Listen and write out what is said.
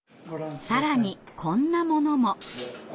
更にこんなものも。